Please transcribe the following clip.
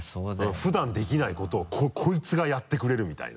普段できないことをコイツがやってくれるみたいな。